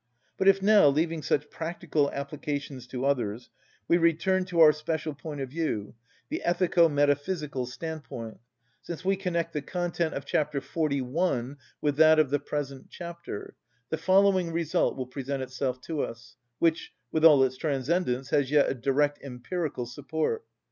But if now, leaving such practical applications to others, we return to our special point of view, the ethico‐metaphysical standpoint—since we connect the content of chapter 41 with that of the present chapter—the following result will present itself to us, which, with all its transcendence, has yet a direct empirical support.